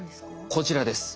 こちらです。